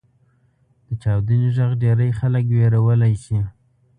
• د چاودنې ږغ ډېری خلک وېرولی شي.